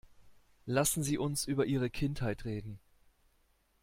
Lassen Sie uns über Ihre Kindheit reden.